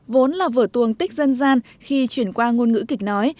vốn là vở tuồng tích dân gian khi chuyển qua ngôn ngữ kịch nói